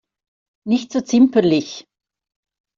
Nicht so zimperlich!